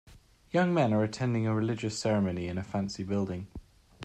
Young men are attending a religious ceremony in a fancy building.